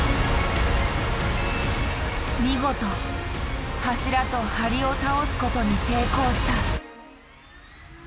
見事柱と梁を倒すことに成功した。